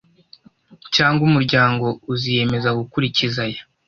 cyangwa umuryango uziyemeza gukurikiza aya